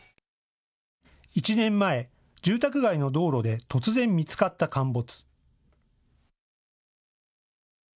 １年前、住宅街の道路で突然見つかった陥没。